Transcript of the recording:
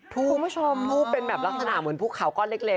คุณผู้ชมทูบเป็นแบบลักษณะเหมือนภูเขาก้อนเล็ก